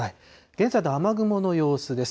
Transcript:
現在の雨雲の様子です。